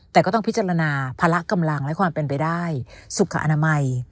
แต่ก็ต้องพิจารณาภาระกำลังและความเป็นไปได้สุขอนามัย